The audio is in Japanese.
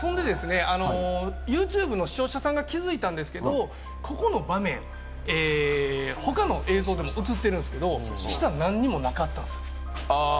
ＹｏｕＴｕｂｅの視聴者さんが気づいたんですけれど、ここの場面、他の映像でも映ってるんですけれども、下、何もなかったんです。